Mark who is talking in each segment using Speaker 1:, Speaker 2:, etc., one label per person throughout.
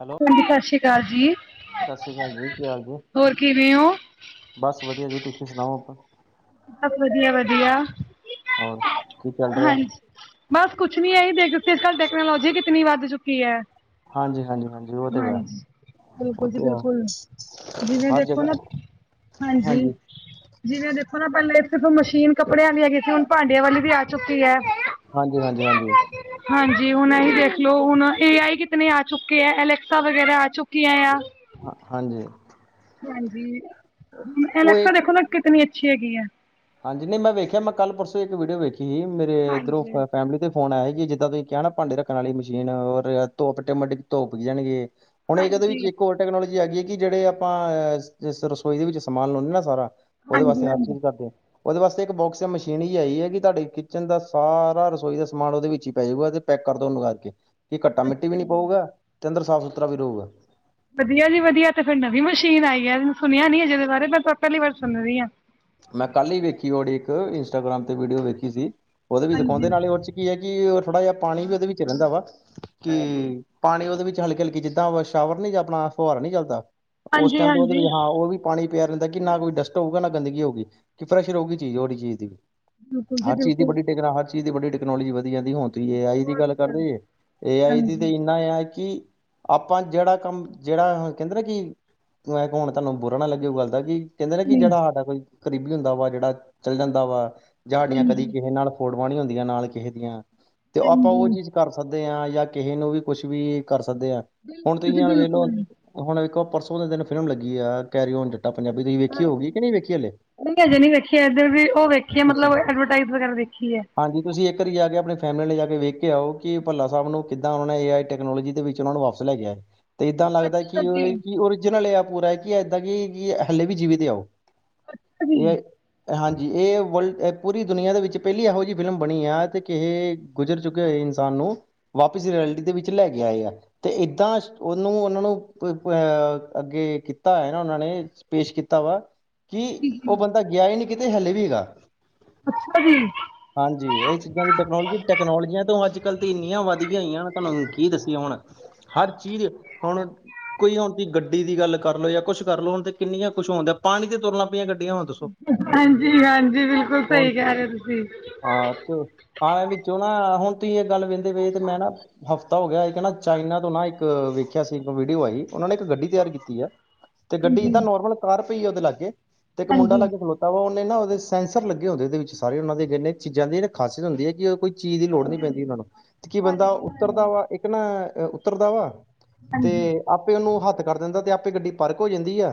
Speaker 1: Hello
Speaker 2: ਹਾਂਜੀ। ਸਤਿ ਸ਼੍ਰੀ ਅਕਾਲ ਜੀ।
Speaker 1: ਸਤਿ ਸ਼੍ਰੀ ਅਕਾਲ ਜੀ ਕੀ ਹਾਲ ਜੀ
Speaker 2: ਹੋਰ ਕਿਵੇਂ ਹੋ।
Speaker 1: ਬਸ ਵਧੀਆ। ਜੀ ਤੁਸੀਂ ਸੁਣਾਓ ਆਪਾਂ।
Speaker 2: ਬਸ ਵਧੀਆ- ਵਧੀਆ [inaudible]
Speaker 1: ਹੋਰ ਕੀ ਚੱਲ ਰਿਹਾ।
Speaker 2: ਹਾਂਜੀ ਬਸ ਕੁਛ ਨੀ ਇਹੀ ਦੇਖ ਕੇ ਅੱਜ ਕੱਲ ਟੈਕਨੋਲੋਜੀ ਕਿਤਨੀ ਵੱਧ ਚੁੱਕੀ ਹੈ।
Speaker 1: ਹਾਂਜੀ- ਹਾਂਜੀ- ਹਾਂਜੀ ਉਹ ਤੇ ਹੈਗਾ।
Speaker 2: ਹਾਂਜੀ ਬਿਲਕੁਲ ਜੀ ਬਿਲਕੁਲ ਜਿਵੇਂ
Speaker 1: ਹਰ
Speaker 2: ਦੇਖੋ
Speaker 1: ਜਗ੍ਹਾ
Speaker 2: ਨਾ ਹਾਂਜੀ। ਜਿਵੇਂ ਦੇਖੋ ਨਾ ਪਹਿਲਾਂ ਇਥ ਮਸ਼ੀਨ ਕੱਪੜਿਆਂ ਦੀ ਹੈਗੀ ਸੀ ਹੁਣ ਭਾਂਡਿਆਂ ਵਾਲੀ ਵੀ ਆ ਚੁੱਕੀ ਐ।
Speaker 1: ਹਾਂਜੀ- ਹਾਂਜੀ- ਹਾਂਜੀ।
Speaker 2: ਹਾਂਜੀ ਹੁਣ ਅਸੀਂ ਦੇਖਲਓ ਹੁਣ ਏ ਆਈ ਕਿਤੇ ਆ ਚੁੱਕੇ ਆ ਅਲੈਕਸਾ ਵਗੈਰਾ ਆ ਚੁੱਕੀਆਂ ਆ।
Speaker 1: ਹ ਹਾਂਜੀ।
Speaker 2: ਹਾਂਜੀ
Speaker 1: ਉਹ ਇਹ
Speaker 2: ਅਲੈਕਸਾ ਦੇਖੋ ਨਾ ਕਿਤਨੀ ਅੱਛੀ ਹੈਗੀ ਹੈ।
Speaker 1: ਹਾਂਜੀ ਨਹੀਂ ਮੈਂ ਵੇਖਿਆ ਮੈਂ ਕੱਲ ਪਰਸੋਂ ਇੱਕ ਵੀਡੀਓ ਵੇਖੀ ਸੀ ਮੇਰੇ ਇੱਧਰੋਂ
Speaker 2: ਹਾਂਜੀ
Speaker 1: ਫੈਮਿਲੀ ਦੇ ਫੋਨ ਆਇਆ ਕਿ ਜਿੱਦਾਂ ਤੁਸੀਂ ਕਿਹਾ ਨਾ ਭਾਂਡੇ ਰੱਖਣ ਵਾਲੀ ਮਸ਼ੀਨ ਔਰ ਆਟੋਮੈਟਿਕ ਧੁੱਪ ਜਾਣਗੇ। ਹੁਣ ਇਹਦੇ ਵਿੱਚ
Speaker 2: ਹਾਂਜੀ
Speaker 1: ਇੱਕ ਹੋਰ ਟੈਕਨੋਲੋਜੀ ਆ ਗਈ ਹੈ ਕਿ ਜਿਹੜੇ ਆਪਾਂ ਅਹ ਰਸੋਈ ਦੇ ਵਿੱਚ ਸਮਾਨ ਲਾਉਂਣੇ ਨਾ ਸਾਰਾ ਉਹਦੇ
Speaker 2: ਹਾਂਜੀ
Speaker 1: ਵਾਸਤੇ ਹਰ
Speaker 2: ਹਾਂਜੀ
Speaker 1: ਚੀਜ਼ ਕਰਦੇ ਆ। ਉਹਦੇ ਵਾਸਤੇ ਇੱਕ ਬੋਕਸ ਜਾਂ ਮਸ਼ੀਨ ਹੀ ਆਈ ਹੈ ਕਿ ਤੁਹਾਡੇ ਕਿਚਨ ਦਾ ਸਾਰਾ ਰਸੋਈ ਦਾ ਸਮਾਨ ਉਹਦੇ ਵਿੱਚ ਹੀ ਪੈਜੂਗਾ ਤੇ ਪੈਕ ਕਰਦੋਗਾ ਕੇ ਕਿ ਘੱਟਾ ਮਿੱਟੀ ਵੀ
Speaker 2: ਅੱਛਾ
Speaker 1: ਨੀ
Speaker 2: ਜੀ
Speaker 1: ਪਊਗਾ ਤੇ ਅੰਦਰ ਸਾਫ਼ ਸੁਥਰਾ ਵੀ ਰਹੇਗਾ।
Speaker 2: ਵਧੀਆ ਜੀ ਵਧੀਆ ਫਿਰ ਨਵੀਂ ਮਸ਼ੀਨ ਆਈ ਜ ਸੁਣਿਆ ਨੀ ਹੈ ਜਿਹਦੇ ਬਾਰੇ ਮੈਂ ਪਹਿਲੀ ਵਾਰ ਸੁਣ ਰਹੀ ਹਾਂ।
Speaker 1: ਮੈਂ ਕੱਲ ਹੀ ਵੇਖੀ ੜੀ ਇੱਕ ਇੰਸਟਾਗ੍ਰਾਮ ਤੇ ਵੀਡੀਓ ਵੇਖੀ ਸੀ ਉਹਦੇ ਵੀ
Speaker 2: ਹਾਂਜੀ
Speaker 1: ਦਿਖਾਉਂਦੇ ਉਹਦੇ 'ਚ ਕੀ ਹੈ ਕਿ ਉਹ ਥੋੜਾ ਜਿਹਾ ਪਾਣੀ ਵੀ ਉਹਦੇ ਵਿੱਚ ਰਹਿੰਦਾ ਵਾ ਕਿ
Speaker 2: ਹਾਂਜੀ
Speaker 1: ਪਾਣੀ ਉਹਦੇ ਵਿੱਚ ਹਲਕੀ- ਹਲਕੀ ਜਿੱਦਾਂ ਸ਼ਾਵਰ ਨੀ ਜਾਂ ਆਪਣਾ ਫੁਹਾਰਾ ਨੀ ਚੱਲਦਾ ਉਸ ਟਾਈਮ ਤੇ ਉਹਦੇ
Speaker 2: ਹਾਂਜੀ
Speaker 1: ਹਾਂ ਉਹ ਵੀ ਪਾਣੀ ਪਿਆ ਰਹਿੰਦਾ ਕਿ ਨਾ ਕੋਈ ਡਸਟ ਹੋਊਗਾ ਨਾ ਗੰਦਗੀ ਹੋਊਗੀ ਕਿ ਫਰੈਸ਼ ਰਹੋਗੀ ਚੀਜ਼ ਉਹੀ ਚੀਜ਼ ਦੀ ਵੀ
Speaker 2: ਬਿਲਕੁਲ ਜੀ
Speaker 1: ਹਰ ਚੀਜ਼ ਦੀ
Speaker 2: ਬਿਲਕੁਲ
Speaker 1: ਵੱਡੀ ਟਕ ਹਰ ਚੀਜ਼ ਦੀ ਵੱਡੀ ਟੈਕਨੋਲੋਜੀ ਵਧ ਜਾਂਦੀ ਹੁਣ ਤੁਸੀਂ ਏ ਆਈ ਦੀ ਗੱਲ
Speaker 2: ਬਹੁਤ
Speaker 1: ਕਰਦੇੇ ਜੇ ਏ ਆਈ ਦੀ
Speaker 2: ਹਾਂਜੀ
Speaker 1: ਤੇ ਇੰਨਾ ਆ ਕਿ ਆਪਾਂ ਜਿਹੜਾ ਕੰਮ ਜਿਹੜਾ ਕਹਿੰਦੇ ਨਾ ਕਿ ਮੈਂ ਹੁਣ ਤੁਹਾਨੂੰ ਬੁਰਾ ਨਾ ਲੱਗੇ ਉਹ ਗੱਲ ਦਾ ਕਿ ਕਹਿੰਦੇ ਨੇ
Speaker 2: ਨਹੀਂ
Speaker 1: ਕਿ
Speaker 2: ਨਹੀਂ
Speaker 1: ਜਿਹੜਾ ਸਾਡਾ ਕੋਈ ਕਰੀਬੀ ਹੁੰਦਾ ਵਾ ਜਿਹੜਾ ਚੱਲ ਜਾਂਦਾ ਵਾ ਜਾਂ ਸਾਡੀਆਂ ਕਦੀ
Speaker 2: ਹਾਂਜੀ
Speaker 1: ਕਿਸੇ ਨਾਲ ਫੋਟੋਆਂ ਨੀ ਹੁੰਦੀਆਂ ਨਾਲ ਕਿਸੇ ਦੀਆਂ ਤੇ ਆਪਾਂ ਉਹ
Speaker 2: ਹਾਂਜੀ
Speaker 1: ਚੀਜ਼ ਕਰ ਸਕਦੇ ਦੇ ਹ ਜਾਂ ਕਿਸੇ ਨੂੰ ਵੀ ਕੁਛ ਵੀ ਕਰ ਸਕਦੇ ਹ ਹੁਣ
Speaker 2: ਬਿਲਕੁਲ ਜੀ
Speaker 1: ਤੁਸੀਂ ਹਣ ਵੇਲੋ
Speaker 2: ਬਿਲਕੁਲ
Speaker 1: ਹੁਣ ਇੱਕੋ ਪਰਸੋਂ ਦੇ ਦਿਨ ਫਿਲਮ ਲੱਗੀ ਆ ਕੈਰੀ ਓਨ ਜੱਟਾ ਪੰਜਾਬੀ ਤੁਸੀਂ ਵੇਖੀ ਹੋ ਗਈ ਕਿ ਨਹੀਂ ਵੇਖੀ ਹੱਲੇ
Speaker 2: ਉਹ ਅਜੇ ਨ ਵ ਦੇਖੀਏ ਏਧਰ ਵੀ ਉਹ ਵੇਖੀਏ ਮਤਲਬ ਐਡਵਰਟਾਈਜ਼ ਵਗੈਰਾ ਦੇਖੀ ਹੈ।
Speaker 1: ਹਾਂਜੀ ਤੁਸੀਂ ਇੱਕ ਵਾਰੀ ਜਾ ਕੇ ਆਪਣੀ ਫੈਮਲੀ ਲਈ ਨੇ ਜਾ ਕੇ ਵੇਖ ਕੇ ਆਓ ਕਿ ਭੱਲਾ ਸਾਹਿਬ ਨੂੰ ਕਿੱਦਾਂ ਉਹਨਾਂ ਨੇ ਏ ਆਈ ਟੈਕਨੋਲੋਜੀ ਦੇ ਵਿੱਚ ਉਹਨਾਂ ਨੂੰ ਵਾਪਸ ਚਲੇ ਗਿਆ। ਤੇ ਇੱਦਾਂ ਲੱਗਦਾ
Speaker 2: ਅੱਛਾ
Speaker 1: ਕਿ ਉਹ
Speaker 2: ਜੀ
Speaker 1: ਕਿ ਓਰੀਜਨਲ ਇਹ ਪੂਰਾ ਹੈ ਕਿ ਏਦਾਂ ਕਿ ਹਲੇ ਵੀ ਜੀਵਿਤ ਉਹ
Speaker 2: ਅੱਛਾ ਜੀ
Speaker 1: ਇਹ ਹਾਂਜੀ ਇਹ ਵਰਲਡ ਪੂਰੀ ਦੁਨੀਆਂ ਦੇ ਵਿੱਚ ਪਹਿਲੀ ਇਹੋ ਜਿਹੀ ਫਿਲਮ ਬਣੀ ਆ ਤੇ ਕਿਹੇ ਗੁਜ਼ਰ ਚੁੱਕੇ ਹੋਏ ਇਨਸਾਨ ਨੂੰ ਵਾਪਿਸ ਰਐਲਿਟੀ ਦੇ ਵਿੱਚ ਲੈ ਕੇ ਆਏ ਆ ਤੇ ਏਦਾਂ ਉਹਨੂੰ ਉਹਨਾਂ ਨੂੰ ਅਹ ਅੱਗੇ ਕੀਤਾ ਹੈ ਨਾ ਉਹਨਾਂ ਨੇ ਪੇਸ਼ ਕੀਤਾ ਵਾ ਕਿ
Speaker 2: ਜੀ ਜੀ
Speaker 1: ਉਹ ਬੰਦਾ ਗਿਆ ਹੀ ਨਹੀਂ ਕਿਤੇ ਹਲੇ ਵੀ ਹੈਗਾ।
Speaker 2: ਅੱਛਾ ਜੀ।
Speaker 1: ਹਾਂਜੀ। ਇਹ ਚੀਜ਼ਾਂ ਦੀ ਟੈਕਨੋਲਜੀ ਟੈਕਨੋਲੋਜੀਆਂ ਤੋਂ ਅੱਜ ਕੱਲ੍ਹ ਤੇ ਇੰਨੀਆਂ ਵੱਧ ਗਈ ਹੋਈਆਂ ਤੁਹਾਨੂੰ ਕੀ ਦੱਸੀ ਹੁਣ। ਹਰ ਚੀਜ਼ ਹੁਣ। ਕੋਈ ਹੁਣ ਦੀ ਗੱਡੀ ਦੀ ਗੱਲ ਕਰ ਲੋ ਜਾਂ ਕੁਛ ਕਰ ਲਓ ਹੁਣ ਤੇ ਕਿੰਨੀਆਂ ਕੁੱਛ ਹੁੰਦਾ ਪਾਣੀ ਤੇ ਤੁਰਨਾ ਪਈਆਂ ਗੱਡੀਆਂ ਹੁੰ।
Speaker 2: ਹਾਂਜੀ, ਹਾਂਜੀ। ਬਿਲਕੁਲ
Speaker 1: ਹੁਣ
Speaker 2: ਸਹੀ ਕਹਿ ਰਹੇ ਤੁਸੀਂ।
Speaker 1: ਹਾਂ ਤੇ ਆਂ ਵਿੱਚੋਂ ਨਾ ਹੁਣ ਤੁਸੀਂ ਇਹ ਗੱਲ ਵਹਿੰਦੇ ਵ ਤੇ ਮੈਂ ਨਾ ਹਫ਼ਤਾ ਹੋ ਗਿਆ ਕਹ ਨਾ ਚਾਈਨਾ ਤੋਂ ਨਾ ਇੱਕ ਵੇਖਿਆ ਸੀ ਇੱਕ ਵੀਡੀਓ ਆਈ ਉਹਨਾਂ ਨੇ ਇੱਕ ਗੱਡੀ ਤਿਆਰ ਕੀਤੀ ਆ।
Speaker 2: [inaudible]
Speaker 1: ਤੇ ਗੱਡੀ ਜਿੱਦਾਂ ਨੋਰਮਲ ਤਾਰ ਪਈ ਉਹਦੇ ਲਾ ਗਏ ਤੇ ਇੱਕ ਮੁੰਡਾ
Speaker 2: ਹਾਂਜੀ
Speaker 1: ਲਾਗੇ ਖਲੋ ਤਾਂ ਉਹਨੇ ਨਾ ਉਹਦੇ ਸੈਂਸਰ ਲੱਗੇ ਹੁੰਦੇ ਉਹਦੇ ਵਿੱਚਾਰੇ ਉਹਨਾਂ ਦੇ ਚੀਜਾਂ ਦੀ ਖਾਸੀਅਤ ਹੁੰਦੀ ਹੈ ਕਿ ਉਹ ਕੋਈ ਚੀਜ਼ ਦੀ ਲੋੜ ਨੀ ਪੈਂਦੀ ਉਹਨਾਂ ਨੂੰ ਤੇ ਕੀ ਬੰਦਾ ਉੱਤਰਦਾ ਵਾ ਇੱਕ ਨਾ ਉੱਤਰਦਾ ਵਾ ਤੇ
Speaker 2: ਹਾਂਜੀ
Speaker 1: ਆਪੇ ਉਹਨੂੰ ਹੱਥ ਕਰ ਦਿੰਦਾ ਤੇ ਆਪੇ ਗੱਡੀ ਪਾਰਕ ਹੋ ਜਾਂਦੀ ਹੈ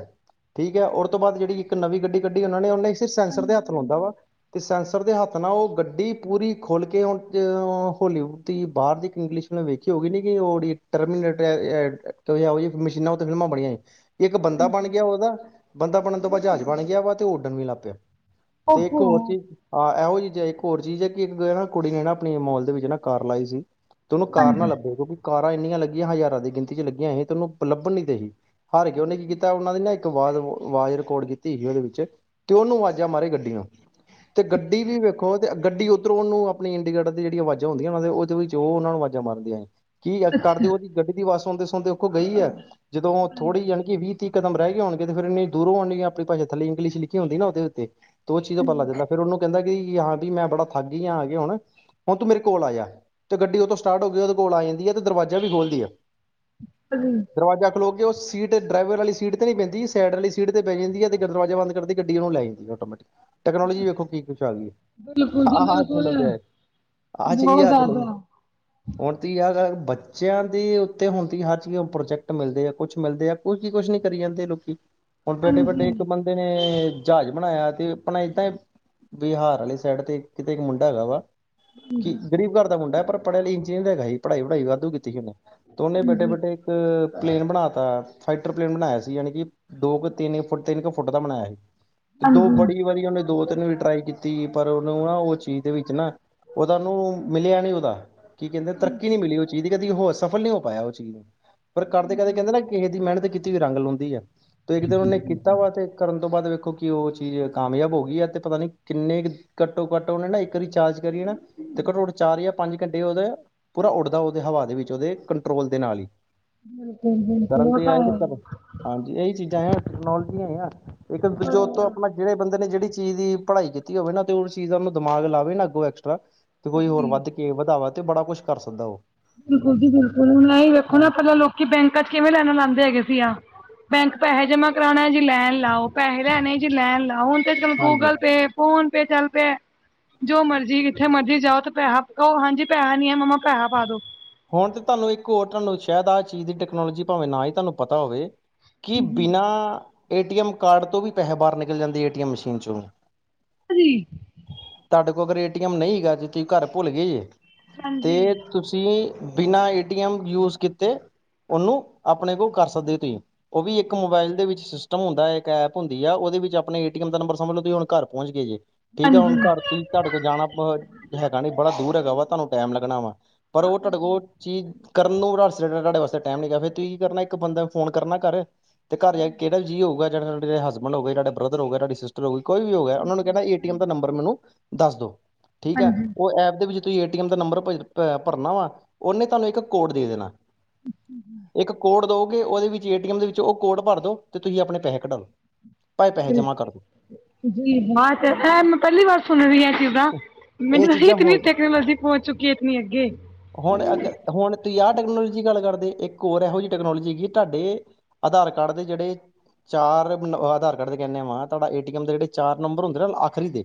Speaker 1: ਠੀਕ ਆ ਉਹ ਤੋਂ ਬਾਅਦ ਜਿਹੜੀ ਇੱਕ ਨਵੀਂ ਗੱਡੀ ਕੱਢੀ ਉਹ ਨੇ ਸੀ ਸੈਂਸਰ ਹੱਥ ਲਾਉਦਾ ਵਾ ਤੇ ਸੈਂਸਰ ਦੇ ਹੱਥ ਨਾ ਉਹ ਗੱਡੀ ਪੂਰੀ ਖੋਲ ਕੇ ਹੋਲੀ ਦੀ ਬਾਹਰ ਦੀ ਇੱਕ ਇੰਗਲਿਸ਼ ਵੇਖੀ। ਹੋ। ਗਗੀ। ਨ। ਕਿ। ਉਹ। ਟਰਮੀਨ। ਮਸ਼ੀਨਾਂ। ਉਤੇ। ਫਿਲਮਾਂ। ਬਣੀਆਂ। ਸੀ। ਇੱਕ। ਬੰਦਾ। ਬਣ। ਗਿਆ। ਉਹਦਾ। ਬੰਦਾ। ਬਣਨ। ਤੋਂ। ਬਾਅਦ। ਜਹਾਜ਼। ਬਣ। ਗਿਆ। ਵਾ। ਤੇ। ਉਹ। ਉੱਡਣ। ਵੀ। ਲੱ। ਪਿਆ। ਤੇ। ਇੱਕ।
Speaker 2: ਓਹੋ
Speaker 1: ਹੋਰ। ਚ। ਆਹ। ਇਹੋ। ਜ। ਚਿਜ਼। ਹੈ। ਇੱਕ। ਹੋਰ। ਚੀਜ਼। ਹੈ। ਕਿ। ਇੱਕ। ਨਾ। ਕੁੜੀ। ਨੇ। ਨਾ। ਆਪਣੀ। ਮੋਲ। ਦੇ। ਵਿੱਚ। ਨਾ। ਕਾਰ। ਲਾਈ। ਸੀ। ਤੈਨੂੰ ਕਾਰ ਨਾ ਲੱਭੇ ਕਿਉਂਕਿ ਕਾਰਾਂ ਇੰਨੀਆਂ ਲੱਗੀਆਂ ਹਜ਼ਾਰਾਂ ਦੀ ਗਿਣਤੀ 'ਚ ਲੱਗੀਆਂਸੀਂ ਤੈਨੂੰ ਲੱਭਣੀ ਦੇ ਸੀ। ਹਾਰ। ਕੇ। ਉਹਨੇ। ਕੀ। ਕੀਤਾ। ਉਹਨਾਂ। ਦੀ। ਨਾ। ਇੱਕ। ਆਵਾਜ਼। ਆਵਾਜ਼। ਰਿਡ। ਕੀਤੀ। ਸੀ। ਉਹਦੇ। ਵਿੱਚ। ਕਿ। ਉਹਨੂੰ। ਆਵਾਜਿਆ। ਮਾਰੇ। ਗੱਡੀਆਂ। ਅਤੇ। ਗੱਡੀ। ਵੀ। ਵੇਖੋ। ਅਤੇ। ਗੱਡੀ। ਉੱਤਰੋਂ। ਉਹਨੂੰ। ਆਪਣੀ। ਇੰਡੀਕੇਟਰ। ਦੀ। ਜਿਹੜੀ। ਆਵਾਜ਼ਾਂ। ਹੁੰਦੀਆਂ। ਨਾ। ਉਹਦੇ। ਵਿੱਚ। ਤੇ। ਉਹ। ਉਹਨਾ। ਨੂੰ। ਆਵਾਜਾਂ। ਮਾਰਦੀਆਂ। ਏ। ਕੀ।
Speaker 2: ਅੱਛਾ
Speaker 1: ਕਰਦੇ। ਉਹਦੀ। ਗੱਡੀ। ਦੀ। ਵਵਾਸ। ਸਉਂਦੇ। ਸੌਦੇ। ਉਹਖੋ। ਗਈ। ਹੈਏ। ਜਦੋਂ। ਥੋੜ੍ਹੀ। ਜਾਣੀ। ਵੀ। ਤੀਹ। ਕਦਮ। ਰਹਿ। ਗ। ਹੋਣਗੇ। ਤੇ। ਫਿਰੰਨੇ। ਦੂਰੋਂ। ਹੋਣ। ਆਪਣੀਾ। ਥੱਲ। ਇੰਗਲਿ। ਲਿਖੀ। ਹੁੰਦੀ ਨਾ ਉਹਦੇ ਉੱਤੇ ਦੋ। ਚੀਜ਼। ਤੋਂ। ਪੱਲਾ। ਦਦਾ। ਫਿਰ। ਉਹਨੂੰ। ਕਹਿੰਦਾ। ਹਾਂ। ਵੀ। ਮੈਂ। ਬੜਾ। ਥਾ। ਗਈ। ਆ। ਆ। ਗ। ਹੁਣ। ਹੁਣ। ਤੂੰ। ਮੇਰੇ। ਕੋਲ। ਆਇਆ। ਤੇ। ਗੱਡੀ। ਉਹਦੋਂ। ਸਟਾਰਟ। ਹੋ। ਗਈ। ਉਹਦੇ। ਕੋਲ। ਆ। ਜਾਂਦੀ। ਹੈ। ਤੇ। ਦਰਵਾਜ਼ਾ। ਵੀ। ਖੋਲ੍ਹਦੀ। ਹੈ।
Speaker 2: ਹ।
Speaker 1: ਦਰਵਾਜ਼ਾ। ਖਲੋਗੇ। ਉਹ। ਸੀਟ। ਡਰਾਈਵਰ। ਵਾਲੀ। ਸੀਟ। ਤੇ। ਨਹੀਂ। ਪੈਂਦੀ। ਸਾਈਡ। ਵਾਲੀ। ਸੀਟ। ਤੇ। ਪੈ। ਜਾਂਦੀ। ਤੇ। ਦਰਵਾਜ਼ਾ। ਬੰ। ਕਰ। ਗੱਡੀ। ਉਹ। ਨੂੰ। ਲੈ। ਜਾਂਦੀ। ਆਟੋਮੈਟਿਕ। ਟਕਨੋਲੋਜੀ। ਵੇਖੋ। ਕੀ। ਕੁਛ। ਆ। ਗਈ। ਹੈ।
Speaker 2: ਬਿਲਕੁਲ ਜੀ ਬਿਲਕੁਲ
Speaker 1: ਆਥੱਲਦੇ। ਆਏ। ਆਹ। ਚੀਜ਼। ਆ। ਚਲ।
Speaker 2: ਹਮ।
Speaker 1: ਹੁਣ। ਤ। ਯ। ਬੱਚਿਆਂ। ਦੇ। ਉੱਤੇ। ਹੁਣ। ਤ। ਹਰ। ਚੀਜ਼। ਪ੍ਰੋਜੈਕਟ। ਮਿਲਦੇ। ਆ। ਕੁਛ। ਮਿਲਦੇ। ਆ। ਕੋਈ। ਕੀ। ਕੁਛ। ਨੀ। ਕਰੀ। ਜਾਂਦੇ। ਲੋਕੀ। ਹੁਣ। ਬੇਡੇ। ਵੱਡੇ।
Speaker 2: ਹਾਂਜੀ
Speaker 1: ਇੱਕ। ਬ। ਦੇ। ਨੇ। ਜਹਾਜ਼। ਬਣਾਇਆ। ਤੇ। ਆਪਣਾ। ਏਦਾਂ। ਬਿਹਾਰ। ਵਾਲੀ। ਸਾਈਡ। ਤੇ। ਕਿਤੇ। ਇੱਕ। ਮੁੰਡਾ। ਹੈਗਾ। ਵਾ। ਕਿ। ਗਰੀਬ। ਘਰ। ਦਾ। ਮੁੰਾ। ਪਰ। ਪੜਿਆ। ਇੰਨੀਅਰ। ਹੈਗਾ। ਸੀ। ਪੜ੍ਹਾਈ। ਵੜਾਈ। ਵਾਧ। ਕੀਤੀ। ਸੀਨੇ। ਤ। ਉਹਨੇ। ਬੈਠੇ। ਬੈਠੇ। ਇੱਕ। ਪਲੇਨ। ਬਣਾ। ਤਾ। ਫਾਈਟਰ। ਪਲੇਨ। ਬਣਾਇਆ। ਸੀ। ਯਾਨੀ। ਕਿ। ਦੋ। ਕੁ। ਤਿੰਨ। ਫੁੱਟ। ਤਿੰਨ। ਕੁ। ਫੁੱਟ। ਦਾ। ਬਣਾਇਆ। ਸੀ। ਤੇ। ਦੋ।
Speaker 2: ਹਾਂਜੀ
Speaker 1: ਬੜੀ। ਵਾਰੀ। ਉਹਨੇ। ਦੋ। ਤਿੰਨ। ਵੀ। ਟਰਾਈ। ਕੀਤੀ। ਪਰ। ਉਹਨੂੰ। ਨਾ। ਉਹ। ਚੀਜ਼। ਦੇ। ਵਿੱਚ। ਨਾ। ਉਹਦਾਨੂੰ। ਮਿਲਿਆ। ਨਹੀਂ। ਉਹਦਾ। ਕੀ। ਕਹਿੰਦੇ। ਤਰੱਕੀ। ਨਹੀਂੀ। ਮਿਲੀ। ਉਹ। ਚੀਜ਼। ਦੀ। ਕਦੀ। ਹੋ। ਸਫਲ। ਨਹੀਂੀ। ਹੋ। ਪਾਇਆ। ਉਹ। ਚੀਜ਼। ਨੂੰ। ਪਰ। ਕਰਦੇ। ਕਦੇ। ਕਹਿੰਦੇ। ਨਾ। ਕਿਸੇ। ਦੀ। ਮਿਹਨਤ। ਕੀਤੀ। ਵੀ। ਰੰਗ। ਲਾਉਂਦੀ। ਹੈ। ਉਹਨਾਂ। ਨੇ। ਕੀਤਾ। ਵਾ। ਤੇ। ਕਰਨ। ਤੋਂ। ਬਾਅਦ। ਵੇਖੋ। ਕਿ। ਉਹ। ਚੀਜ਼। ਕਾਮਯਾਬ। ਹੋ। ਗਈ। ਆ। ਤੇ। ਪਤਾ। ਨੀ। ਕਿੰਨੇ। ਕੁ। ਘੱਟੋ। ਘੱਟ। ਉਹਨੇ। ਨਾ। ਇੱਕਚਾਰਜ। ਕਰੀਏ। ਨਾ। ਤੇ। ਘੱਟੋ। ਘੱਟੋ। ਚਾਰ। ਜਾਂ। ਪੰਜ। ਘੰਟੇ। ਉਹਦੇ। ਪੂਰਾ। ਉੱਡਦਾ। ਉਹਦੇ। ਹਵਾ। ਦੇ। ਵਿੱਚ। ਉਹਦੇ। ਕੰਟਰੋਲ। ਦੇ। ਨਾਲ। ਹੀ।
Speaker 2: ਬਿਲਕੁਲ ਬਿਲਕੁਲ
Speaker 1: ਕਰਨ।
Speaker 2: ਉਹ
Speaker 1: ਤੇ।
Speaker 2: ਤਾਂ
Speaker 1: ਆਏ। ਤੇ।
Speaker 2: ਹੈ
Speaker 1: ਕਰਨ।
Speaker 2: ਹੀ।
Speaker 1: ਹਾਂਜੀ। ਇਹੀ। ਚੀਜ਼ਾਂ। ਹੈ। ਟੈਕਨੋਲੋਜੀ। ਹੈ। ਆ। ਇੱਕ। ਦ। ਜੋ।
Speaker 2: ਬੜੀਆਂ
Speaker 1: ਉਤੋਂ। ਆਪਣਾ। ਜਿਹੜੇ। ਬੰਦੇ। ਨੇ। ਜਿਹੜੀ। ਚੀਜ਼। ਦੀ। ਪੜ੍ਹਾਈ। ਕੀਤੀ। ਹੋਵੇ। ਨਾ। ਤੇ। ਉਹ। ਚੀਜ਼। ਦਾ। ਦਿਮਾਗ। ਲਾਵੇ। ਨਾ। ਅੱਗੋਂ। ਐਕਸਟਰਾ। ਤੇ। ਕੋਈ। ਹੋਰ।
Speaker 2: ਜੀ
Speaker 1: ਵੱਧ। ਕੇ। ਵਧਾਵਾਮ ਤੇ। ਬੜਾ। ਕੁਛ। ਕਰ। ਸਕਦਾ। ਉਹ।
Speaker 2: ਬਿਲਕੁਲ। ਜੀ। ਬਿਲਕੁਲ। ਹੁਣ। ਵੇਖੋ।
Speaker 1: ਹਾਂ
Speaker 2: ਨਾ। ਪਹਿਲਾਂ। ਲੋਕੀ। ਬੈਂਕਾਂ। ਚ। ਕਿਵੇਂ। ਲੈਣਾ। ਲਾਦੇ। ਹੈਗੇ। ਸੀ। ਆ। ਬੈਂਕ। ਪੈਸੇ। ਜਮਾ। ਕਰਾਉਣਾ। ਜੀ। ਲੈਣ। ਲਾਓ। ਪੈਸੇ। ਲੈਣੇ। ਜੀ। ਲੈਣ। ਲਾਓ। ਹੁਣ। ਤੇ। ਚਲ।
Speaker 1: ਹਾਂਜੀ
Speaker 2: ਗੂਗਲ। ਪੇ। ਫੋਨ। ਪੇ। ਚੱਲ। ਪੇ। ਜੋ। ਮਰਜੀੀ। ਕਿੱਥੇ। ਮਰਜ਼ੀ। ਜਾਓ। ਤੇ। ਪੈਸਾ। ਕਹੋ। ਹਾਂਜੀ। ਪੈਸਾ। ਨੀ। ਹੈ। ਮੰਮਾ। ਪੈਸਾ। ਪਾ। ਦੋ।
Speaker 1: ਹੁਣ। ਤਾਂ। ਤੁਹਾਨੂੰ। ਇੱਕ। ਹੋਰ। ਤੁਹਾਨੂੰ। ਸ਼ਾਇਦ। ਆਹ। ਚੀਜ਼। ਦੀ। ਟੈਕਨੋਲੋਜੀ। ਭਾਵੇਂ। ਨਾ। ਹੀ। ਤੁਹਾਨੂੰ। ਪਤਾ। ਹੋਵੇ। ਕੀ।
Speaker 2: ਹਾਂਜੀ ਜੀ
Speaker 1: ਬਿਨਾਂ। ਏਟੀਐਮ। ਕਾਰਡ। ਤੋਂ। ਵੀ। ਪੈਸੇ। ਬਾਹਰ। ਨਿਕਲ। ਜਾਂਦੇ। ਏਟੀਐਮ। ਮਸ਼ੀਨ। ਚੋਂ।
Speaker 2: ਾਂਜੀ।
Speaker 1: ਤੁਹਾਡੇ। ਕੋਲ। ਕੋ। ਏਟੀਐਮ। ਨਹੀਂਗਾ। ਅਜੇ। ਤੁਸੀਂ। ਘਰ। ਭੁੱਲ। ਗਏ। ਜੇ।
Speaker 2: ਹਾਂਜੀ
Speaker 1: ਤੇ। ਤੁਸੀਂ। ਬਿਨਾਂ। ਏਟੀਐਮ। ਯੂਜ। ਕੀਤੇ। ਉਹਨੂੰ। ਆਪਣੇ। ਕੋਲ। ਕਰ। ਸਕਦੇ। ਹੋ। ਤੁਸੀਂ। ਉਹ। ਵੀ। ਇੱਕ। ਮੋਬਾਇਲ। ਦੇ। ਵਿੱਚ। ਸਿਸਟਮ। ਹੁੰਦਾ। ਹੈ। ਇੱਕ। ਐਪ। ਹੁੰਦੀ। ਆ। ਉਹਦੇ। ਵਿੱਚ। ਆਪਣੇ। ਏ। ਟੀਐਮ। ਦਾ। ਨੰਬਰ। ਸਮਭ। ਲੋ। ਤੁਸੀਂ। ਹੁਣ। ਘਰ। ਪਹੁੰਚ। ਗਏ। ਜੇ। ਠੀਕ ਆ ਹੁਣ
Speaker 2: ਹਾਂਜੀ।
Speaker 1: ਘਰ ਤੁਸੀਂ ਤੁਹਾਡੇ ਕੋਲ ਜਾਣਾ ਹੈਗਾ ਨੀ ਬੜਾ ਦੂਰ ਹੈਗਾ ਵਾ ਤੁਹਾਨੂੰ ਟਾਈਮ ਲੱਗਣਾ ਵਾ ਪਰ ਉਹ ਤੁਹਾਡੇ ਕੋਲ ਚੀਜ਼ ਕਰਨ ਨੂੰ ਤੁਹਾਡੇ ਵਾਸਤੇ ਟਾਈਮ ਨੀ ਫੇਰ ਤੁਸੀਂ ਕੀ ਕਰਨਾ ਇੱਕ ਬੰਦਾ ਫੋਨ ਕਰਨਾ ਕਾਰ। ਤੇ ਘਰ ਜਾ ਕੇ ਕਿਹੜ ਵੀ ਜੀ ਹੋਉਗਾ ਜੜਾ ਹਸਬੈਂਡ ਹੋਗਏ ਤੁਹਾਡ ਬ੍ਰਦਰ ਹੋਗਾ ਤੁਹਾਡੀ ਸਿਸਟਰ ਕੋਈ ਵੀ ਹੋ ਗਿਆ। ਉਹ ਨੂੰ ਕਹਿੰ ਏਟੀਮ ਦਾ ਨੰਬਰ ਮੈਨੂੰ ਦੱਸ ਦੋ ਠੀਕ
Speaker 2: ਹਾਂਜੀ,
Speaker 1: ਹੈ, ਉਹ ਐਪ ਦੇ ਵਿੱਚ ਤੁਸੀਂ ਏਟੀਐਮ ਦਾ ਨੰਬਰ ਭਰਨਾ ਵਾ ਉਹਨੇ ਤੁਹਾਨੂੰ ਇੱਕ ਕੋਡ ਦੇ ਦੇਣਾ। ਇੱਕ ਕੋਡ ਦਓਗੇ ਉਹਦੇ ਵਿੱਚ ਏਟੀਐਮ ਦੇ ਵਿੱਚ ਉਹ ਕੋਡ ਭਰ ਦੋ ਤੇ ਤੁਸੀਂ ਆਪਣੇ ਪੈਸੇ ਕਢਾਾਲਓ ਭਾਵੇ ਪੈਸੇ ਜਮਾ ਕਰਦੋ।
Speaker 2: ਜੀ ਹਾਂ ਤੇ ਮੈਂ ਪਹਿਲੀ ਵਾਰ ਸੁਣ ਰਹੀ ਹਾਂ ਕਿਦਾਂ।
Speaker 1: ਇਹ
Speaker 2: ਮੈਨੂੰ ਏਹੀ
Speaker 1: ਚੀਜ਼ਾਂ
Speaker 2: ਇਤਨੀ
Speaker 1: ਹੋ
Speaker 2: ਟੈਕਨੋਲੋਜੀ ਪਹੁੰਚ ਚੁੱਕੀ ਇਤਨੀ ਅੱਗੇ।
Speaker 1: ਹੁਣ ਅੱਗ ਹੁਣ ਤੁਸੀਂ ਆਹ ਟੈਕਨੋਲੋਜੀ ਗੱਲ ਕਰਦੇ ਇੱਕ ਹੋਰ ਇਹੋ ਜਿਹੀ ਟੈਕਨੋਲੋਜੀ ਹੈਗੀ ਤੁਹਾਡੇ ਆਧਾਰ। ਕਾਰਡ। ਦੇ। ਜਿਹੜੇ। ਚਾਰ। ਆਧਾਰ। ਕਾਰਡ। ਦੇ। ਕਹਿੰਦੇ। ਆ। ਵਾਂ। ਤੁਹਾਡਾ। ਏ। ਟੀਐੱਮ। ਦੇ। ਜਿਹੜੇ। ਚਾਰ। ਨੰਬਰ। ਹੁੰਦੇ। ਨਾ। ਆਖਰੀ। ਦੇ।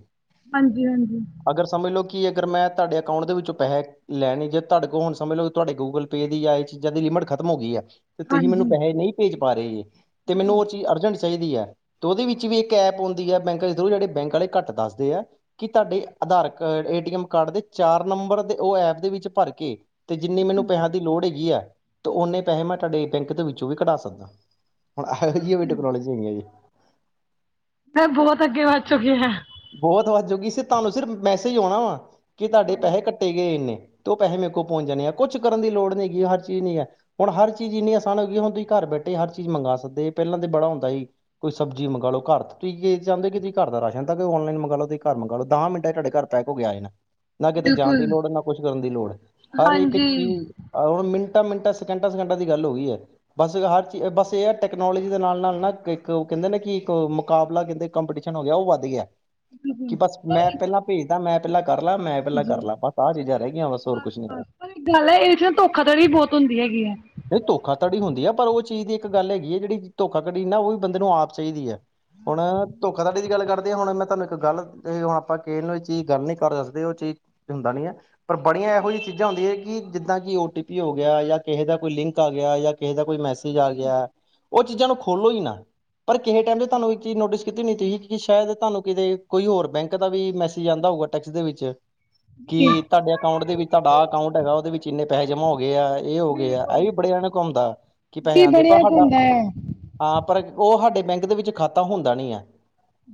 Speaker 2: ਹਾਂਜੀ। ਹਾਂਜੀ।
Speaker 1: ਅਗਰ ਸਮਝ ਲਓ ਕਿ ਅਗਰ ਮੈਂ ਤੁਹਾਡੇ ਅਕਾਊਂਟ ਦੇ ਵਿੱਚੋਂ ਪੈਸੇ ਲੈਣੇ ਜੇ ਤੁਹਾਡੇ ਕੋਲ ਹੁਣ ਸਮਝ ਲਓ ਤੁਹਾਡੇ ਗੂਗਲ ਪੇ ਦੀ ਜਾਂ ਇਹ ਚੀਜ਼ਾਂ ਦੀ ਲਿਮਟ ਖਤਮ ਹੋ ਗਈ ਆ। ਤੇ ਤੁਸੀਂ ਮੈਨੂੰ
Speaker 2: ਹਾਂਜੀ
Speaker 1: ਪੈਸੇ ਨਹੀਂ ਭੇਜ ਪਾ ਰਹੇ ਜੀ ਤੇ ਮੈਨੂੰ ਉਹ ਚੀਜ਼ ਅਰਜੈਂਟ ਚਾਹੀਦੀ ਹੈ। ਤੇ ਉਹਦੇ ਵਿੱਚ ਵੀ ਇੱਕ ਐਪ ਆੁੰਦੀ ਹੈ ਬੈਂਕ ਦੇ ਥਰ ਜਿਹੜੇ ਬੈਂਕ ਵਾਲੇ ਘੱਟ ਦੱਸਦੇ ਆ। ਕੀ ਤੁਹਾਡੇ ਆਧਾਰ ਏਟੀਐਮ ਕਾਰਡ ਦੇ ਚਾਰ ਨੰਬਰ ਦੇ ਉਹ ਐਪ ਦੇ ਵਿੱਚ ਭਰ ਤੇ ਜਿੰਨੀ ਮੈਨੂੰ ਪੈਸਾ ਦੀ ਲੋੜ ਹੈਗੀ ਹੈ। ਤੇ ਓਨੇ ਪੈਸੇ ਮੈਂ ਤੁਹਾਡੇ ਬੈਂਕ ਦੇ ਵਿੱਚੋਂ ਵੀ ਕਟਾ ਸਕਦਾ। ਹੁਣ ਇਹੋ ਜਹੀ ਵੀ ਟੈਕਨੋਲੋਜੀ ਹੈਗੀ ਹੈ ਜੀ।
Speaker 2: ਤੇ ਏ ਬਹੁਤ ਅੱਗੇ ਵੱਧ ਚੁੱਕੀ ਹੈ।
Speaker 1: ਬਹੁਤ ਵਾਦ ਚੂਕੀ ਸੀ ਤੁਹਾਨੂੰ ਸਿਰ ਮੈਸੇਜ ਆਉਣਾ ਵਾ ਕਿ ਤੁਹਾਡੇ ਪੈਸੇ ਕੱਟੇ ਕਟੇ ਗਏ ਇੰਨੇ ਤੇ ਉਹ ਪੈਸੇ ਮੇਰੇ ਕੋਲ ਪਹੁੰਚ ਜਾਣੇ ਆ ਕੁਛ ਕਰਨ ਦੀ ਲੋੜ ਨਹੀਂ ਹੈਗੀ ਹਰ ਚੀਜ਼ ਨੀ ਹੈ। ਹੁਣ ਹਰ ਚੀਜ਼ ਇੰਨੀ ਆਸਾਨ ਹੋ ਗਈ, ਹੁਣ ਤੁਸੀਂ ਘਰ ਬੈਠੇ ਹਰ ਚੀਜ਼ ਮੰਗਵਾ ਸਕਦੇ ਪਹਿਲਾਂ ਤੇ ਬੜਾ ਹੁੰਦਾ ਸੀ। ਕੋਈ ਸਬਜ਼ੀ ਮੰਗਵਾ ਲਓ ਘਰ ਤੁਸੀਂ ਇਹ ਚਾਹੁੰਦੇ ਕਿ ਤੁਸੀਂ ਘਰ ਦਾ ਰਾਸ਼ਨ ਓਨਲਾਈਨ ਮੰਗ ਲਓ ਤੁਸੀਂ ਘਰ ਮੰਗਾਲਓ ਦਹ ਮਿੰਟ ਚ ਤੁਹਾਡੇ ਘਰ ਪੈਕ ਹੋ ਕੇ ਆ ਯਾਨਾ। ਨਾ ਕਿਤੇ ਜਾਣ ਦੀ
Speaker 2: ਬਿਲਕੁਲ,
Speaker 1: ਲੋੜ ਨਾ ਕੁਛ ਕਰਨ ਦੀ ਲੋੜ ਹਰ ਇੱਕ
Speaker 2: ਹਾਂਜੀ
Speaker 1: ਚੀਜ਼ ਆਹ ਹੁਣ ਮਿੰਟਾਂ, ਮਿੰਟਾਂ ਸਕੈਂਟਾਂ, ਸਕੈਂਟਾਂ ਦੀ ਗੱਲ ਹੋ ਗਈ ਹੈ। ਬਸ ਹਰ ਚੀਜ਼ ਬਸ ਇਹ ਹੈ ਟੈਕਨੋਲੋਜੀ ਦੇ ਨਾਲ- ਨਾਲ ਨਾ ਇੱਕ ਉਹ ਕਹਿੰਦੇ ਨਾ ਕਿ ਇੱਕ ਮੁਕਾਬਲਾ ਕਹਿੰਦੇ ਕੰਪਟੀਸ਼ਨ ਹੋ ਗਿਆ ਉਹ ਵੱਧ ਗਿਆ। ਕਿ
Speaker 2: ਬਿਲਕੁਲ
Speaker 1: ਬਸ
Speaker 2: ਪਰ
Speaker 1: ਮੈਂ
Speaker 2: ਇੱਕ
Speaker 1: ਪਹਿਲਾਂ ਭੇਜਦਾ ਮੈਂ ਪਹਿਲਾਂ ਕਰ ਲਾ ਮੈਂ ਪਹਿਲਾਂ
Speaker 2: ਜੀ
Speaker 1: ਕਰ ਲਾ ਬਸ ਆਹ ਚੀਜ਼ਾਂ ਰਹਿ ਗਈਆਂ ਬਸ ਹੋਰ ਕੁਛ ਨੀ
Speaker 2: ਪਰ ਗੱਲ ਹੈ, ਇਹਦੇ ਚ ਨਾ ਧੋਖਾਧੜੀ ਵੀ ਬਹੁਤ ਹੁੰਦੀ ਹੈਗੀ ਹੈ।
Speaker 1: ਨਹੀਂ ਧੋਖਾਧੜੀ ਹੁੰਦੀ ਹੈ, ਪਰ ਉਹ ਚੀਜ਼ ਦੀ ਇੱਕ ਗੱਲ ਹੈਗੀ ਹੈ, ਜਿਹੜੀ ਧੋਖਾ ਕੜੀ ਨਾ ਉਹ ਵੀ ਬੰਦੇ ਨੂੰ ਆਪ ਚਾਹੀਦੀ ਹੈ। ਹੁਣ ਧੋਖਾਧੜੀ ਦੀ ਗੱਲ ਕਰ ਹੁਣ ਮੈਂ ਤੁਹਾਨੂੰ ਇੱਕ ਗੱਲ ਹੁਣ ਆਪਾਂ ਕਿਸ ਨੂੰ ਇਹ ਚੀਜ਼ ਗੱਲ ਨੀ ਕਰ ਦੱਸਦੇ ਉਹ ਚੀਜ਼ ਹੁੰਦਾ ਨੀ ਹੈ। ਪਰ ਬੜੀਆਂ ਇਹੋ ਜਹੀ ਚੀਜ਼ਾਂ ਹੁੰਦੀਆਂ ਕਿ ਜਿੱਦਾਂ ਕਿ ਓ ਟੀ ਪੀ ਹੋ ਗਿਆ ਜਾਂ ਕਿਸੇ ਦਾ ਕੋਈ ਲਿੰਕ ਆ ਗਿਆ ਜਾਂ ਕਿਸੇ ਦਾ ਕੋਈ ਮੈ ਆ ਗਿਆ, ਉਹ ਚੀਜ਼ਾਂ ਨੂੰ ਖੋਲੋ ਹੀ ਨਾ ਪਰ ਕਿਸੇ ਟਾਈਮ ਤੇ ਤੁਹਾਨੂੰ ਇੱਕ ਚੀਜ਼ ਨੋਟਿਸ ਕੀਤੀ ਨੀ ਤੁਸੀਂ ਸ਼ਾਇਦ ਤੁਹਾਨੂੰ ਕਿਤੇ ਕੋਈ ਹੋਰ ਬੈਂਕ ਦਾ ਵੀ ਮੈਸੇਜ ਆਉਂਦਾ ਹੋਊਗਾ ਟੈਕਸ ਦੇ ਵਿੱਚ ਕਿ
Speaker 2: ਜੀ
Speaker 1: ਤੁਹਾਡੇ ਅਕਾਊਟ ਦੇ ਵਿੱਚ ਤੁਹਾਡਾ ਅਕਾਊਂਟ ਹੈਗਾ, ਉਹਦੇ ਵਿੱਚੰਨੇ ਪੈਸੇ ਜਮਾ ਹੋ ਗਏ ਹੈ। ਇਹ ਹੋ ਗਏ ਆ ਇਹ
Speaker 2: ਬਿਲਕੁਲ
Speaker 1: ਵੀ ਬੜੇ ਜਾਣੇ ਘੁੰਮਦਾ ਕਿ ਪੈਸੇ
Speaker 2: ਜੀ
Speaker 1: ਆਉਂਦੇ ਪਰ
Speaker 2: ਬੜਿਆ
Speaker 1: ਸਾਡਾ।
Speaker 2: ਹੁੰਦਾ ਹੈ।
Speaker 1: ਹਾਂ ਪਰ ਉਹ ਸਾਡੇ ਬੈਂਕ ਦੇ ਵਿੱਚ ਖਾਤਾ ਹੁੰਦਾ ਨੀ ਆ।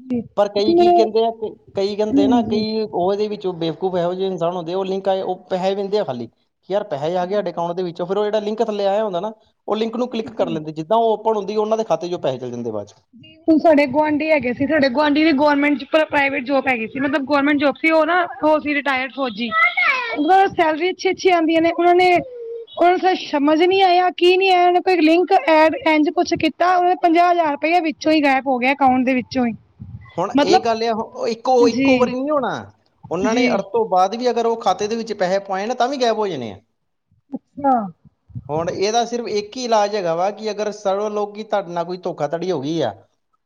Speaker 2: ਜੀ
Speaker 1: ਪਰ
Speaker 2: ਹੁਣ
Speaker 1: ਕਈ ਕੀ
Speaker 2: ਮੇਰੇ
Speaker 1: ਕਹਿੰਦੇ ਆ ਕਈ ਕਹਿੰਦੇ ਨਾ
Speaker 2: ਹਾਂਜੀ
Speaker 1: ਕਈ। ਉਹ ਉਹਦੇ ਵਿੱਚ ਬੇਵਕੂਫ ਇਹੋ ਜਿਹੇ ਇਨਸਾਨ ਹੁੰਦੇ ਉਹ ਲਿੰਕ ਆਏ ਉਹ ਪੈਸੇ ਦਹਿੰਦੇ ਆ ਖਾਲੀ। ਯਾਰ ਪੈਸੇ ਆਏਡੇ ਅਕਾਊਟ ਦੇ ਵਿੱਚੋਂ ਫਿਰ ਉਹ ਜਹੜ ਲਿੰਕ ਥੱਲੇਇ ਹੁੰਦਾ ਨਾ ਉਹ ਲਿੰਕ ਨੂੰ ਕਿੱ ਕਰ
Speaker 2: ਬਿਲਕੁਲ।
Speaker 1: ਲੈਂਦੇ। ਜਿੱਦਾਂ ਓਪ ਹੁੰਦੀ ਉਹਨਾਂ ਖਾਤੇ 'ਚ ਪੈਸੇ ਚਲ ਜਾਂਦੇ ਬਾਅਦ ਚ
Speaker 2: ਸਾਡੇ ਗੁਆਂਢੀ ਹੈਗੇ ਸੀ, ਸਾਡੇ ਗੁਆਂਢੀ ਦੀ ਗੌਰਰਮੈਂਟ ਪ੍ਰਾਈਵੇਟ ਜੋਬ ਹੈਗੀ ਸੀ ਮਤਲਬ ਗੌਰਰਮੈਂਟ ਜੋਬ ਸੀ ਉਹ ਨਾ ਉਹ ਸੀ ਰਿਟਾਇਰਡ ਫੌਜੀ ਮਤਲਬ ਸੈਲਰੀ ਅੱਛੀ ਅੱਛੀ ਆਉਂਦੀਆਂ ਨੇ ਉਹਨਾਂ ਨੇ ਉਹਨੂੰ ਸਮਝ ਨੀ ਆਇਆ ਕੀ ਨੀ ਆਇਆ ਉਹਨੇ ਕੋਈ ਲਿੰਕ ਐਡ ਇੰ ਕੁਛ ਕੀਤਾ ਉਹਨੇ ਪੰਜਾਹ ਹਜ਼ਾਰ ਰੁਪਆ ਵਿੱਚੋਂ ਹੀ ਗਾਇਬ ਹੋ ਗਿਆ ਅਕਾਊਂਟ ਦੇ ਵਿੱਚੋਂ ਹੀ
Speaker 1: ਹੁਣ ਇਹ
Speaker 2: ਮਤਲਬ
Speaker 1: ਗੱਲ ਆ ਇੱਕੋ ਇੱਕੋ
Speaker 2: ਜੀ
Speaker 1: ਵਾਰੀ ਨਹੀਂ ਹੋਣਾ ਉਹਨਾਂ ਨੇ
Speaker 2: ਜੀ
Speaker 1: ਤੋਂ ਬਾਅਦ ਵੀ ਅਗਰ ਉਹ ਖਾਤੇ ਦੇ ਵਿੱਚ ਪੈਸੇ ਪਾਏ ਨਾ ਤਾਂ ਵੀ ਗੈਬ ਹੋ ਜਾਣੇ ਆ
Speaker 2: ਅੱਛਾ।
Speaker 1: ਹੁਣ ਇਹਦਾ ਸਿਰਫ ਇੱਕ ਹੀ ਇਲਾਜ ਹੈਗਾ ਵਾ ਕਿ ਅਗਰ ਸਰ ਲੋਕੀ ਤੁਹਾਡੇ ਨਾਲ ਕੋਈ ਧੋਖਾਧੜੀ ਹੋ ਗਈ ਆ।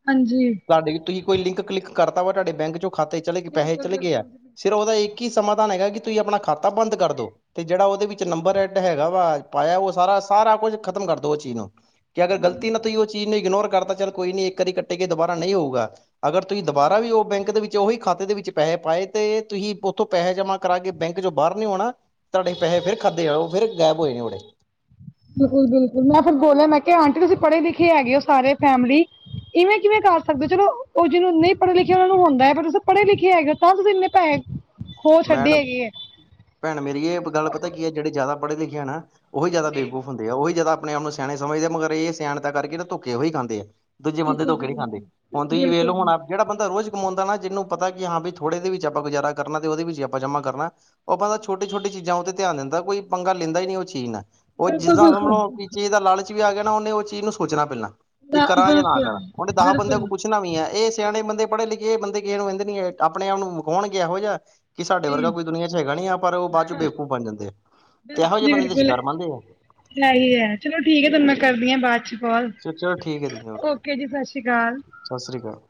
Speaker 2: ਹਾਂਜੀ।
Speaker 1: ਸਾਡੇ ਤੁਸੀਂ ਕੋਈ ਲਿੰਕ ਕਲਿੱਕ ਕਰਤਾ ਵਾ ਤੁਹਾਡੇ ਬੈਂਕ ਚੋਂ ਖਾਤੇ ਚਲੇ ਗਏ ਪੈਸੇ
Speaker 2: ਬਿਲਕੁਲ
Speaker 1: ਚਲੇ ਗਏ ਆ
Speaker 2: ਬਿਲਕੁਲ ਜੀ
Speaker 1: ਸਿਰਫ ਉਹਦਾ। ਕੀ ਸਮਾਧਾਨ ਹੈਗਾ ਕਿ ਤੁਸੀਂ ਆਪਣਾ ਖਾਤਾ ਬੰਦ ਕਰਦੋ। ਤੇ ਜਿਹੜਾ ਉਹਦੇ ਵਿੱਚ ਨੰਬਰ ਐਡ ਹੈਗਾ ਵਾ ਪਾਇਆ ਉਹ ਸਾਰਾ ਸਾਰਾ ਕੁਝ ਖ਼ਤਮ ਕਰ ਦੋ ਉਹ ਚੀਜ਼ ਨੂੰ। ਕਿ ਅਗਰ ਗਲਤੀ ਨਾਲ ਤੁਸੀਂ ਉਹ ਚੀਜ਼ ਨੂੰ ਇਗਨੋਰ ਕਰਦਾ ਚੱਲ ਕੋਈ ਨ ਇੱਕ ਵਾਰੀ ਕੱਟੇ ਗਏ ਦੁਬਾਰਾ ਨਹੀਂ ਹੋਊਗਾ। ਅਗਰ ਤੁਸੀਂ ਦੁਬਾਰਾ ਵੀ ਉਹ ਬੈਂਕ ਦੇ ਵਿੱਚ। ਉਹੀ ਖਾਤੇ ਦੇ ਵਿੱਚ ਪੈਸੇ ਪਾਏ ਤੇ ਤੁਸੀਂ ਉੱਥੋਂ ਪੈਸੇ ਜਮਾ ਕਰਾ ਕੇ ਬੈਂਕ ਚੋਂ ਬਾਹਰ ਨੀ ਆਉਣਾ। ਤੁਹਾਡੇ ਪੈਸੇ ਫਿਰ ਖਾਤੇ ਆਓ ਫਿਰ ਗਾਇਬ ਹੋਏ ਨੇ ਉੜੇ।
Speaker 2: ਬਿਲਕੁਲ, ਬਿਲਕੁਲ ਮੈਂ ਫਿਰ ਬੋਲਿਆ ਮੈਂ ਕਿਹਾ ਆਂਟੀ ਤੁਸੀਂ ਪੜ੍ਹੇ ਲਿਖੇ ਹੈਗੇ ਹੋ ਸਾਰੇ ਫੈਮਿਲੀ। ਇਵੇਂ ਕਿਵੇਂ ਕਰ ਸਕਦੇ ਹੋ ਚਲੋ ਉਹ ਜਿਹਨੂੰ ਨਹੀਂ ਪੜ੍ਹੇ ਲਿਖੇ ਉਹਨਾਂ ਨੂੰ ਹੁੰਦਾ ਹੈ, ਪਰ ਤੁ ਪੜ੍ਹੇ ਲਿਖੇ ਹੈਗੇ ਤਾਂ ਤੁਸੀਂ ਇੰਨੇ ਪੈਸੇ। ਖੋ
Speaker 1: ਮੈਂ
Speaker 2: ਛੱਡੇ
Speaker 1: ਨਾ
Speaker 2: ਹੈਗੇ ਹੈ
Speaker 1: ਭੈਣ ਮੇਰੀਏ ਇਕ ਗੱਲ ਪਤਾ ਕੀ ਹੈ, ਜਿਹੜੇ ਜ਼ਿਆਦਾ ਪੜ੍ਹੇ ਲਿਖੇ ਆ ਨਾ। ਉਹੀ ਜ਼ਿਆਦਾ
Speaker 2: ਜੀ
Speaker 1: ਬੇਵਕੂਫ ਹੁੰਦੇ ਆ, ਉਹੀ ਜਿਆਦਾ ਆਪਣੇ ਆਪ ਨੂੰ ਸਿਆਣੇ ਸਮਝਦੇ ਆ ਮਗਰ ਇਹ ਸਿਆਣਤਾਂ ਕਰਕੇ ਧੋਖੇ ਉਹੀ ਖਾਂਦੇ ਆ। ਦੂਜੇ ਬੰਦੇ
Speaker 2: ਬਿਲਕੁਲ ਜੀ
Speaker 1: ਧੋਖੇ ਨਹੀਂ ਖਾਂਦੇ ਹੁਣ ਤੁਸੀਂ ਵੇਖ ਲ
Speaker 2: ਬਿਲਕੁਲ ਬਿਲਕੁਲ
Speaker 1: ਹੁਣ। ਜਿਹੜਾ ਬੰਦਾ ਰੋਜ਼ ਕਮਾਉਦਾ ਨਾ ਜਿਹਨੂੰ ਪਤਾ ਕਿ ਹਾਂ ਵੀ ਥੋੜ੍ਹੇ ਦੇ ਵਿੱਚ ਆਪਾਂ ਗੁਜਾਰਾ ਕਰਨਾ। ਉਹਦੇ ਵਿੱਚ ਆਪਾਂ ਜਮਾਂ ਕਰਨਾ ਉਹ ਬੰਦਾ ਛੋਟੀ ਛੋਟੀ ਚੀਜ਼ਾਂ ਉੱਤੇ ਧਿਆਨ ਦਿੰਦਾ ਕੋਈ ਪੰਗਾ ਲੈਂਦਾ ਹੀ ਨੀ ਉਹ ਚੀਜ਼ ਨਾਲ। ਉਹ
Speaker 2: ਬਿਲਕੁਲ
Speaker 1: ਜਿੱਦਾਂ ਸਮਝ
Speaker 2: ਬਿਲਕੁਲ
Speaker 1: ਲਓ ਕਿਸੇ ਚੀਜ਼ ਦਾ ਲਾਲਚ ਵੀ ਆ ਗਿਆ ਨਾ ਉਹਨੇ ਉਹ ਚੀਜ਼ ਨੂੰ ਸੋਚਣਾ ਪਹਿਲਾਂ। ਕਿ ਕਰਾਂ ਜਾਂ ਨਾ ਕਰਾਂ
Speaker 2: ਬਿਲਕੁਲ
Speaker 1: ਉਹਨੇ ਦਸ ਬੰਦਿਆਂ
Speaker 2: ਬਿਲਕੁਲ
Speaker 1: ਕੋ ਪੁੱਛ। ਪੁਛਣਾ ਵੀ ਆ ਇਹ ਸਿਆਣੇ ਬੰਦੇ ਪੜ੍ਹੇ ਲਿਖੇ ਇਹ ਬੰਦੇ ਕਿਸੇ ਨੂੰ ਕਹਿੰਦੇ ਨੀ ਆਪਣੇ ਆਪ ਨੂੰ ਵਿਖਾਉਣ ਗੇ ਇਹੋ ਜਿਹਾ। ਕਿ ਸਾਡੇ ਵਰਗਾ
Speaker 2: ਜੀ
Speaker 1: ਕੋਈ ਦੁਨੀਆਂ ਚ ਹੈਗਾ ਨੀ ਆ ਪਰ ਉਹ ਬਾਅਦ ਚ ਬੇਵਕੂਫ ਬਣ ਜਾਂਦੇ ਆ। ਤੇ ਇਹੋ ਜਿਹੇ ਬੰਦੇ ਤੇ ਸ਼ਿਕਾਰ ਬਣਦੇ ਆ।
Speaker 2: ਇਹੀ ਹੈ, ਚਲੋ ਠੀਕ ਹੈ ਤੁਹਾਨੂੰ ਮੈਂ ਕਰਦੀ ਹਾਂ ਬਾਅਦ ਚ ਕੋਲ
Speaker 1: ਚਲੋ ਠੀਕ ਹੈ ਦੀਦੀ
Speaker 2: ਓਕੇ ਜੀ, ਸਤਿ ਸ਼੍ਰੀ ਅਕਾਲ।
Speaker 1: ਸਤਿ ਸ਼੍ਰੀ ਅਕਾਲ।